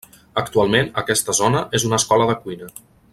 Actualment aquesta zona és una escola de cuina.